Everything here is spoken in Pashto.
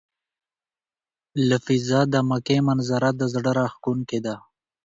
له فضا د مکې منظره د زړه راښکونکې ده.